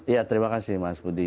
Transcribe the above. ya terima kasih mas budi